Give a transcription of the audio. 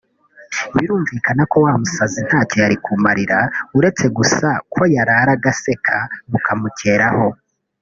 birumvikana ko wa musazi ntacyo yari kumarira uretse gusa ko yararaga aseka bukamukeraho